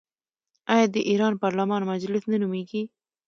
آیا د ایران پارلمان مجلس نه نومیږي؟